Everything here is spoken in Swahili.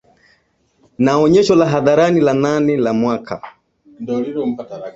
Na onyesho la hadharani la nane la mwaka